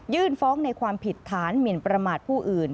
ฟ้องในความผิดฐานหมินประมาทผู้อื่น